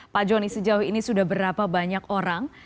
pak joni sejauh ini sudah berapa banyak orang